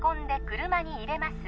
車に入れます